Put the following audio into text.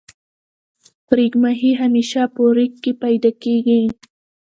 ریګ ماهی همیشه په ریګ کی پیدا کیږی.